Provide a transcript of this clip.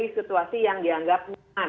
dari situasi yang dianggap